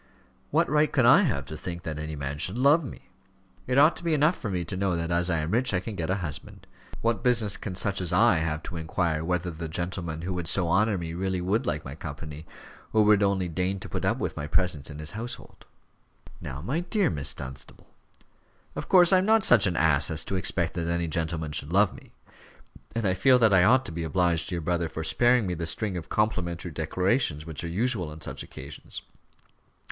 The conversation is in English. What right can I have to think that any man should love me? It ought to be enough for me to know that as I am rich, I can get a husband. What business can such as I have to inquire whether the gentleman who would so honour me really would like my company, or would only deign to put up with my presence in his household?" "Now, my dear Miss Dunstable " "Of course I am not such an ass as to expect that any gentleman should love me; and I feel that I ought to be obliged to your brother for sparing me the string of complimentary declarations which are usual on such occasions.